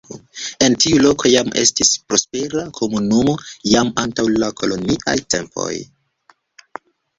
En tiu loko jam estis prospera komunumo jam antaŭ la koloniaj tempoj.